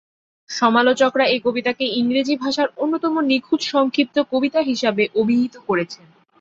সমালোচকরা এ কবিতাকে ইংরেজি ভাষার অন্যতম নিখুঁত সংক্ষিপ্ত কবিতা হিসাবে অভিহিত করেছেন।